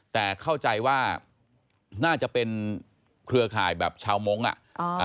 แต่เข้าใจว่าน่าจะเป็นเครือข่ายแบบชาวมงค์อ่ะอ่า